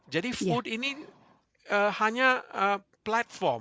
jadi food ini hanya platform